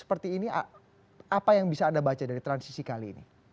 seperti ini apa yang bisa anda baca dari transisi kali ini